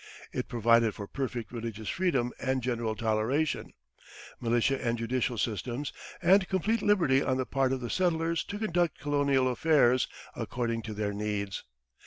It provided for "perfect religious freedom and general toleration," militia and judicial systems, and complete liberty on the part of the settlers to conduct colonial affairs according to their needs.